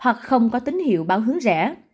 hoặc không có tín hiệu báo hướng rẻ